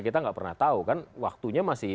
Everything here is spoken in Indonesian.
kita nggak pernah tahu kan waktunya masih